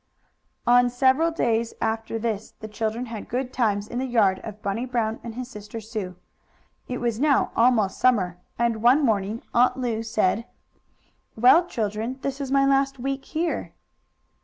On several days after this the children had good times in the yard of Bunny Brown and his sister Sue. It was now almost summer, and one morning Aunt Lu said: "Well, children, this is my last week here."